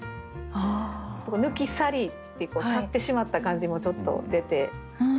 「抜き去り」って去ってしまった感じもちょっと出て。